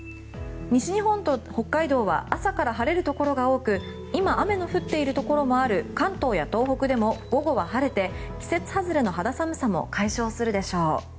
西日本と北海道は朝から晴れるところが多く今、雨の降っているところもある関東や東北でも午後は晴れて季節外れの肌寒さも解消するでしょう。